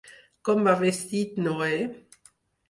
Com va vestit Noè?